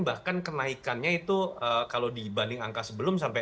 bahkan kenaikannya itu kalau dibanding angka sebelum sampai